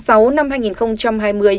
đầu tháng sáu năm hai nghìn hai mươi